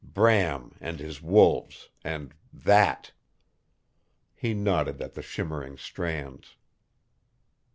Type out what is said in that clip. Bram, and his wolves, and THAT!" He nodded at the shimmering strands.